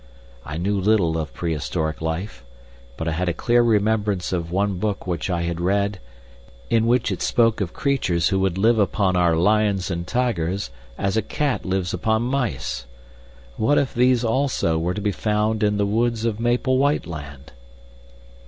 I knew little of prehistoric life, but I had a clear remembrance of one book which I had read in which it spoke of creatures who would live upon our lions and tigers as a cat lives upon mice. What if these also were to be found in the woods of Maple White Land!